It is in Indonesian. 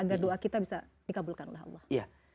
agar doa kita bisa di accept oleh allah